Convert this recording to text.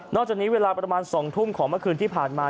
จากนี้เวลาประมาณ๒ทุ่มของเมื่อคืนที่ผ่านมา